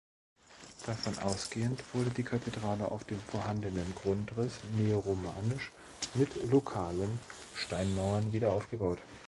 Davon ausgehend wurde die Kathedrale auf dem vorhandenen Grundriss neoromanisch mit lokalen Steinmauern wiederaufgebaut.